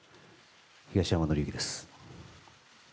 東山紀之です。